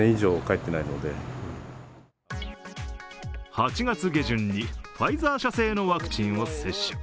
８月下旬にファイザー製のワクチンを接種。